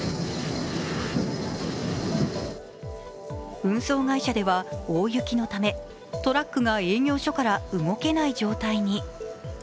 運送会社では大雪のためトラックが営業所から動けない状態に。